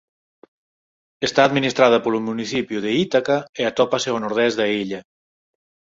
Está administrada polo municipio de Ítaca e atópase ao nordés da illa.